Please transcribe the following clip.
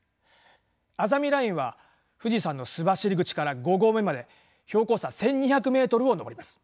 あざみラインは富士山の須走口から５合目まで標高差１，２００メートルを上ります。